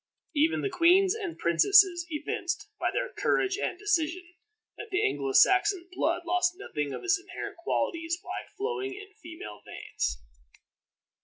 Even the queens and princesses evinced, by their courage and decision, that Anglo Saxon blood lost nothing of its inherent qualities by flowing in female veins.